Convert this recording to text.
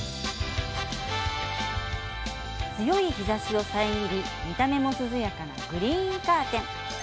強い日ざしを遮り見た目も涼やかなグリーンカーテン